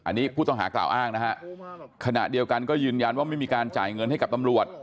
อันนี้ผู้ต้องหากล่าวอ้างนะฮะขณะเดียวกันก็ยืนยันว่าไม่มีการจ่ายเงินให้กับตำรวจ